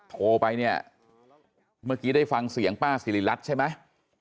โทรไปเนี่ยเมื่อกี้ได้ฟังเสียงป้าสิริรัตน์ใช่ไหม